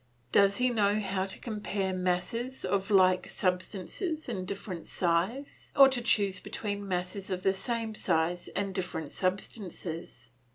Does he know how to compare masses of like substance and different size, or to choose between masses of the same size and different substances?